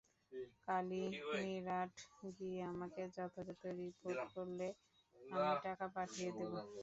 কালী মীরাট গিয়ে আমাকে যথাযথ রিপোর্ট করলে আমি টাকা পাঠিয়ে দেব।